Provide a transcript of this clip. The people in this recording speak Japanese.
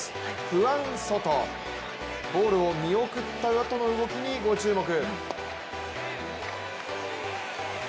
フアン・ソト、ボールを見送ったあとの動きにご注目。